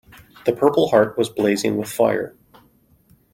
The purple heart was blazing with fire.